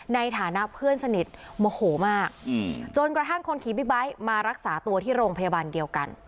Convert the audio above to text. ในฐานะเพื่อนสนิทโมโหมากจนกระทั่งคนขี่บิ๊กไบท์มารักษาตัวที่โรงพยาบาลเดียวกัน